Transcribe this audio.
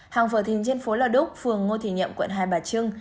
hàng phở thính trên phố lào đúc phường ngô thị nhậm quận hai bà trưng